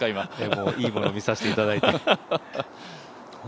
いいものを見させていただいて。